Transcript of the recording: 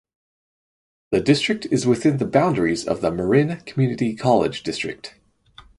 The District is within the boundaries of the Marin Community College District.